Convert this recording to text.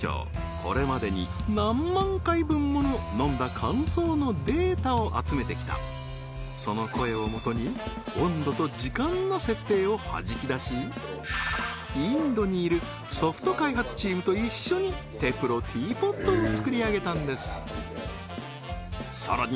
これまでに何万回分もの飲んだ感想のデータを集めてきたその声をもとに温度と時間の設定をはじき出しインドにいるソフト開発チームと一緒にｔｅｐｌｏティーポットを作り上げたんですさらに